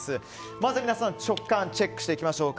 まずは皆さん、直感をチェックしていきましょう。